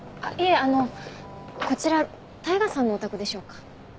いえあのこちら大牙さんのお宅でしょうか？